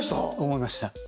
思いました